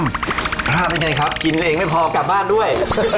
พวกเต้นไข่ใกล้ครับกินเนียงไม่พอกลับบ้านด้วย